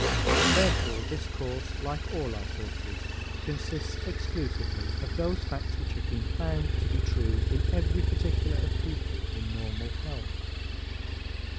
Therefore this course, like all our courses, consists exclusively of those facts which have been found to be true in every particular of people in normal health.